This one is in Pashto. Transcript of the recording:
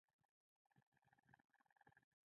اوس هم زیاته بریښنا د ډبروسکرو څخه تولیدوي